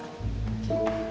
papi kanda mengelaran